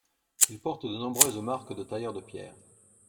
Il porte de nombreuses marques de tailleurs de pierre.